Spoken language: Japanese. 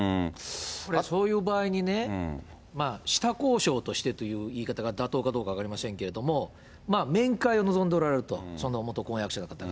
そういう場合にね、下交渉としてという言い方が妥当かどうか分かりませんけれども、面会を望んでおられると、元婚約者の方が。